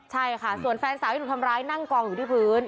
ใช่ค่ะส่วนแฟนสาวที่ถูกทำร้ายนั่งกองอยู่ที่พื้น